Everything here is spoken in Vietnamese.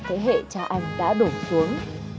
thế hệ cha anh đã đổ xuống